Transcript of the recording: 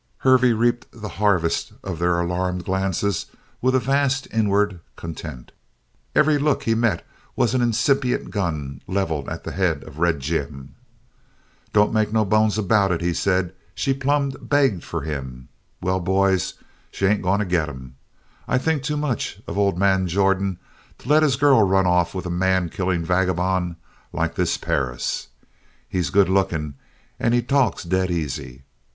Hervey reaped the harvest of their alarmed glances with a vast inward content. Every look he met was an incipient gun levelled at the head of Red Jim. "Didn't make no bones about it," he said, "she plumb begged for him. Well, boys, she ain't going to get him. I think too much of old man Jordan to let his girl run off with a man killing vagabond like this Perris. He's good looking and he talks dead easy.